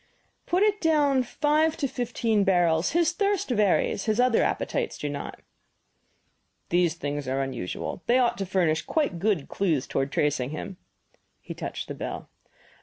"Put it down five to fifteen barrels his thirst varies; his other appetites do not." "These things are unusual. They ought to furnish quite good clues toward tracing him." He touched the bell.